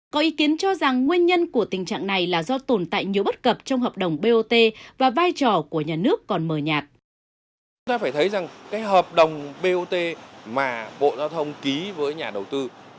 có ý kiến cho rằng nguyên nhân của tình trạng này là do tồn tại nhiều bất cập trong hợp đồng bot và vai trò của nhà nước còn mờ nhạt